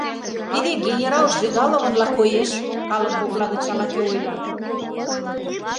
— Тиде генерал Жигаловынла коеш! — калык кокла гыч ала-кӧ ойла.